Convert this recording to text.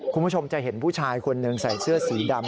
คุณผู้ชมจะเห็นผู้ชายคนหนึ่งใส่เสื้อสีดำ